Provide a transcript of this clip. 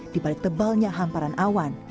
dibalik tebalnya hamparan awan